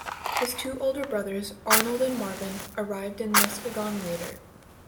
His two older brothers, Arnold and Marvin, arrived in Muskegon later.